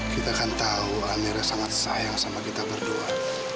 kita kan tahu amera sangat sayang sama kita berdua